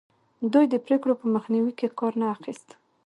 دوی د پرېکړو په مخنیوي کې کار نه اخیست.